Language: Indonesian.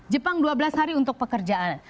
jepang dua belas hari untuk pekerjaan